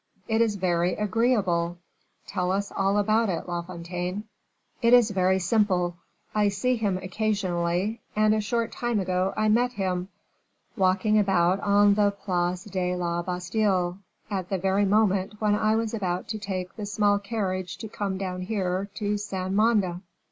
"It is very agreeable; tell us all about it, La Fontaine." "It is very simple. I see him occasionally, and a short time ago I met him, walking about on the Place de la Bastile, at the very moment when I was about to take the small carriage to come down here to Saint Mande."